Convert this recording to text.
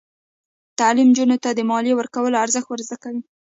تعلیم نجونو ته د مالیې ورکولو ارزښت ور زده کوي.